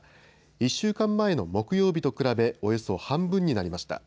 １週間前の木曜日と比べおよそ半分になりました。